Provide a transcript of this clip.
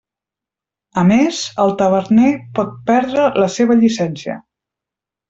A més, el taverner pot perdre la seva llicència.